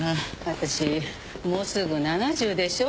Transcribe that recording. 私もうすぐ７０でしょ。